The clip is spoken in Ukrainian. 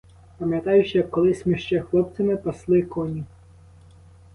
Пам'ятаєш, як колись ми ще хлопцями пасли коні?